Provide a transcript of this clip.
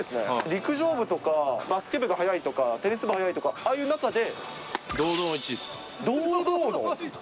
陸上部とかバスケ部が速いとか、テニス部速いとか、ああいう中で。